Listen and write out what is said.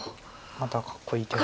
またかっこいい手が。